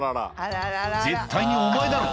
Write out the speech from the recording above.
「絶対にお前だろ」